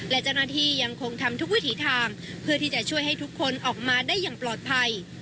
และเจ้าหน้าที่ยังคงทำทุกวิถีทางเพื่อที่จะช่วยให้ทุกคนออกมาได้อย่างปลอดภัย